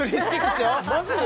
マジで！？